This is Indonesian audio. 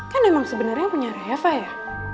kan emang sebenarnya punya reva ya